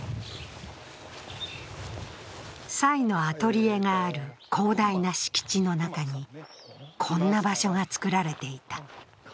蔡のアトリエがある広大な敷地の中にこんな場所がつくられていた。